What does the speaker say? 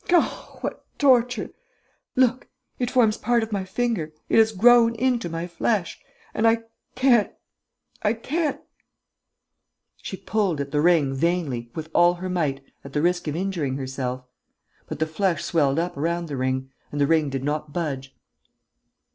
Oh, what torture!... Look ... it forms part of my finger ... it has grown into my flesh ... and I can't ... I can't...." She pulled at the ring, vainly, with all her might, at the risk of injuring herself. But the flesh swelled up around the ring; and the ring did not budge.